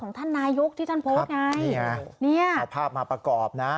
ของท่านนายกที่ท่านโพสต์ไงเนี่ยนี้หัวภาพมาประกอบนะ